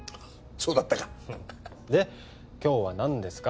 そうだったかハハハッで今日は何ですか？